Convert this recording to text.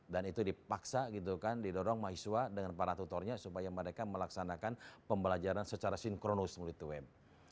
dan itu dipaksa gitu kan didorong mahasiswa dengan para tutornya supaya mereka melaksanakan pembelajaran secara sinkronus melalui to web